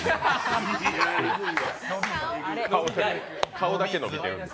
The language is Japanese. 顔だけ伸びてる。